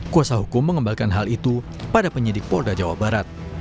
kuasa hukum mengembalikan hal itu pada penyidik polda jawa barat